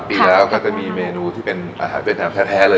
ปีแล้วก็จะมีเมนูที่เป็นอาหารเป็นแถมแท้เลย